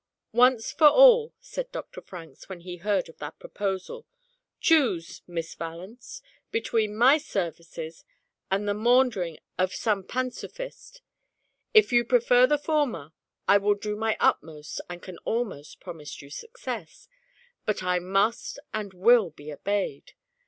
"Once for all," said Dr. Franks, when he heard of that proposal, "choose, Miss Valence, between my services, and the maundering of some pansophist. If you prefer the former, I will do my utmost, and can almost promise you success; but I must and will be obeyed.